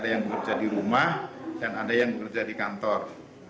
ada yang bekerja di rumah dan ada yang bekerja di kantor